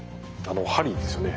鍼ですよね。